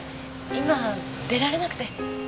今出られなくて。